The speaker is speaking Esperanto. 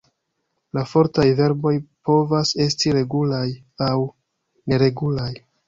La fortaj verboj povas esti regulaj aŭ neregulaj.